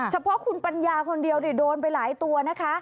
เฉพาะคุณปัญญาคนเดียวโดนไปหลายตัวนะคะ